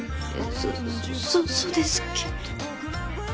そそうですけど。